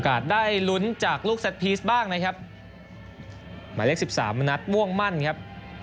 ได้ลุ้นจากลูกซัดพีชบ้างนะครับหมายเลขสิบสามณัฐม่วงมั่นครับ